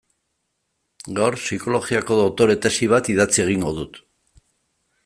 Gaur psikologiako doktore tesi bat idatzi egingo dut.